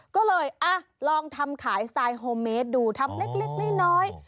ก็เลยลองทำขายสไตล์โฮเมสดูทำเล็กน้อย